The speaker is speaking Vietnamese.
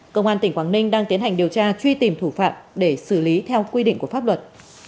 công an tỉnh quảng ninh đang tiến hành điều tra truy tìm thủ phạm để xử lý theo quy định của pháp luật